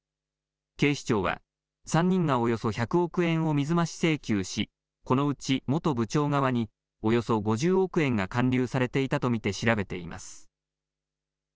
警視庁は３人がおよそ１００億円を水増し請求しこのうち元部長側におよそ５０億円が環流されていたと見て調べています。